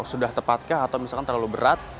sudah tepatkah atau misalkan terlalu berat